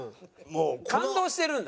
感動してるんだ？